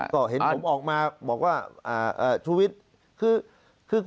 ก็เห็นผมออกมาบอกว่าชุวิตคือ